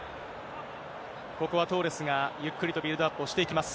ここはトーレスがゆっくりとビルドアップをしていきます。